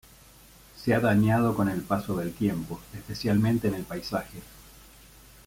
Se ha dañado con el paso del tiempo, especialmente en el paisaje.